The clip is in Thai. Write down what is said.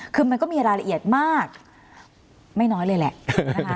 คือมันก็มีรายละเอียดมากไม่น้อยเลยแหละนะคะ